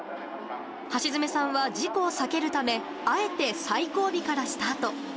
橋爪さんは事故を避けるため、あえて最後尾からスタート。